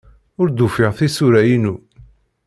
Ur d-ufiɣ tisura-inu.